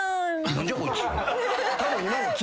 何じゃこいつ。